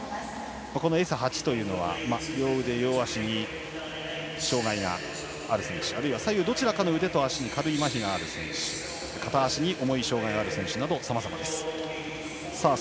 Ｓ８は、両腕、両足に障がいがある選手あるいは左右どちらかの腕と足に軽いまひがある選手片足に重い障がいがある選手などさまざまです。